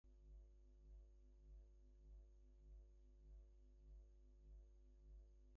The tenant-in-chief of the estate was Waleran the Hunter whose tenant was Ingelrann.